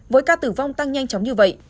với ca tử vong tăng nhanh chóng như vậy